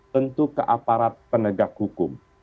tentu ke aparat penegak hukum